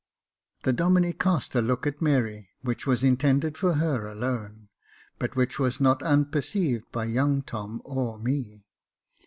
The Domine cast a look at Mary, which was intended for her alone, but which was not unperceived by young Tom or me.